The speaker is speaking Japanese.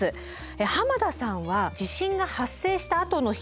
濱田さんは地震が発生したあとの避難生活